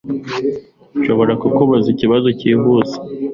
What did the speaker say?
Nshobora kukubaza ikibazo cyihuse